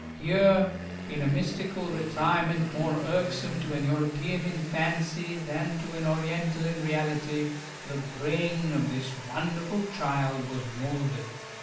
Here, in a mystical retirement more irksome to an European in fancy than to an Oriental in reality, the brain of this wonderful child was moulded.